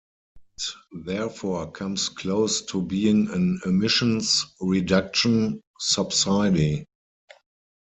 It therefore comes close to being an emissions reduction subsidy.